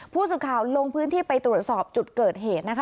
ผู้สื่อข่าวลงพื้นที่ไปตรวจสอบจุดเกิดเหตุนะคะ